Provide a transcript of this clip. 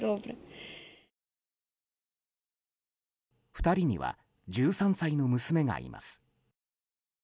２人には１３歳の娘がいます。